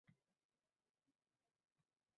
Nima ruxsatnomangiz yo`qmi